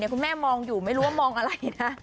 คุณแม่มองอยู่ไม่รู้ว่ามองอะไรนะ